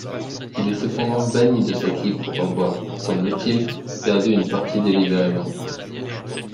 Il est cependant banni de cette ligue pour avoir, semble-t-il, perdu une partie délibérément.